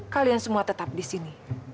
kalian semua tetap disini